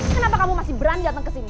kenapa kamu masih berani datang ke sini